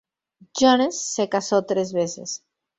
Jones se casó tres veces.